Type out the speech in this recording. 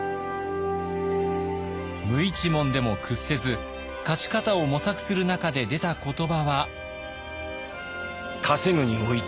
無一文でも屈せず勝ち方を模索する中で出た言葉は。